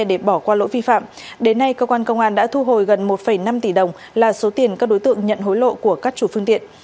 để bỏ qua lỗi vi phạm đến nay cơ quan công an đã thu hồi gần một năm tỷ đồng là số tiền các đối tượng nhận hối lộ của các chủ phương tiện